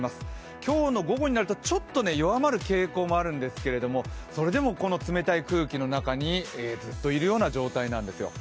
今日の午後になるとちょっと弱まる傾向もあるんですけれどもそれでもこの冷たい空気の中にずっといるような状態なんですよ。